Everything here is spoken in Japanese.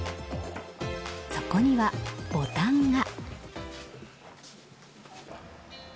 そこには、ボタンが。